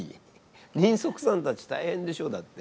人足さんたち大変でしょうだって。